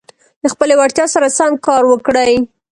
د خپلي وړتیا سره سم کار وکړئ.